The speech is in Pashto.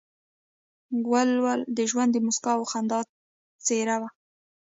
ولو د ژوند د موسکا او خندا څېره وه.